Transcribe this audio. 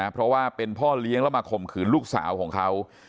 เพราะว่าเป็นพ่อเลี้ยงแล้วมาข่มขืนลูกสาวของเขา